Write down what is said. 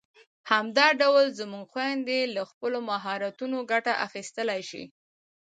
همدا ډول زموږ خويندې له خپلو مهارتونو ګټه اخیستلای شي.